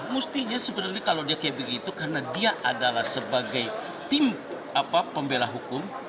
mestinya sebenarnya kalau dia kayak begitu karena dia adalah sebagai tim pembela hukum